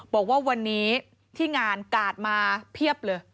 บอกว่าวันนี้ที่งานกาดมาเพียบเลย